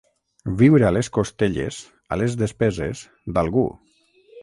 Viure a les costelles, a les despeses, d'algú.